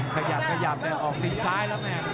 ขยับเนี่ยออกติดซ้ายแล้วแม่ง